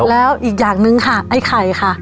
แล้วอีกอย่างหนึ่งค่ะไอ้ไข่ค่ะ